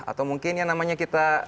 atau mungkin yang namanya kita